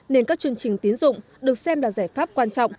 nên các chương trình tiến dụng được xem là giải pháp quan trọng